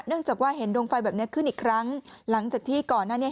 เนื่องจากว่าเห็นดวงไฟแบบเนี้ยขึ้นอีกครั้งหลังจากที่ก่อนน่ะเนี้ย